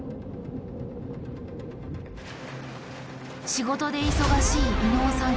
仕事で忙しい伊野尾さん